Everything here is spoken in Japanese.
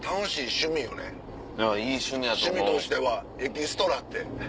趣味としてはエキストラって。